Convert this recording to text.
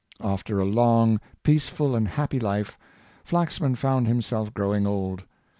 After a long, peaceful, and happy life, Flaxman found himself growing old.